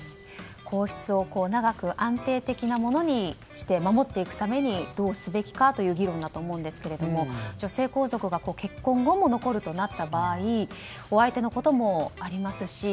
皇室を長く安定的なものにして守っていくためにどうすべきかという議論だと思いますが女性皇族が結婚後も残るとなった場合お相手のこともありますし